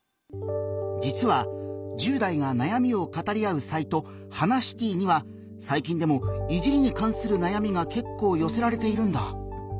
実は１０代がなやみを語り合うサイト「ハナシティ」にはさい近でも「いじり」にかんするなやみが結構よせられているんだ。